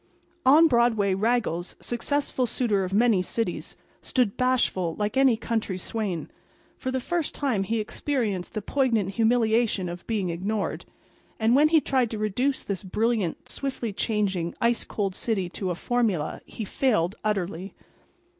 On Broadway Raggles, successful suitor of many cities, stood, bashful, like any country swain. For the first time he experienced the poignant humiliation of being ignored. And when he tried to reduce this brilliant, swiftly changing, ice cold city to a formula he failed utterly.